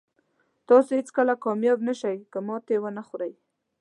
تاسو هېڅکله کامیاب نه شئ که ماتې ونه خورئ.